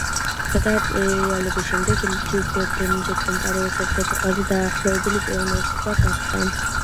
გადატრიალების შემდეგ ჟილბერ დენდრე კომპაორეს ერთ-ერთი ყველაზე დაახლოებული პიროვნება გახდა.